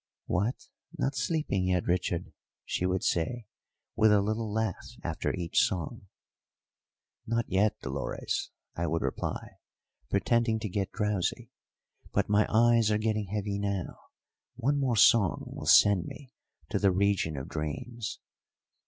"What, not sleeping yet, Richard!" she would say, with a little laugh after each song. "Not yet, Dolores," I would reply, pretending to get drowsy. "But my eyes are getting heavy now. One more song will send me to the region of dreams.